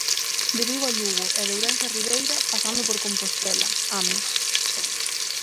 De Vigo a Lugo e de Ourense a Ribeira, pasando por Compostela, Ames.